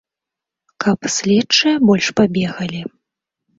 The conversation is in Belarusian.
Каб следчыя больш пабегалі?